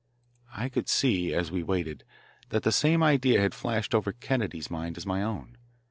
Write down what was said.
I could see, as we waited, that the same idea had flashed over Kennedy's mind as over my own.